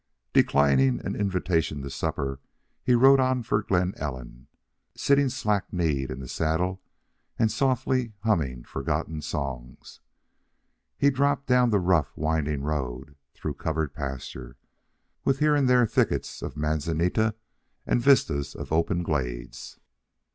Declining an invitation to supper, he rode on for Glen Ellen sitting slack kneed in the saddle and softly humming forgotten songs. He dropped down the rough, winding road through covered pasture, with here and there thickets of manzanita and vistas of open glades.